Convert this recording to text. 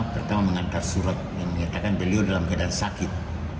pertama mengantar surat yang menyatakan beliau dalam keadaan sakit